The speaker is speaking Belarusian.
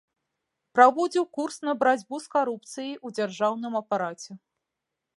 Праводзіў курс на барацьбу з карупцыяй у дзяржаўным апараце.